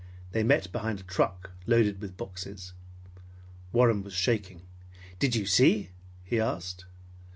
They met behind a truck loaded with boxes. Warren was shaking. "Did you see?" he asked.